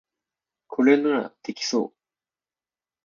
これならできそう